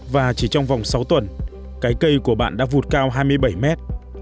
và chỉ trong vòng sáu tuần cái cây của bạn đã vụt cao hai mươi bảy mét